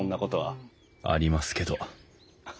ありますけどハハ